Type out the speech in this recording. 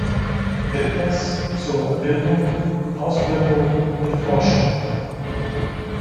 Drittens zur Bildung, Ausbildung und Forschung.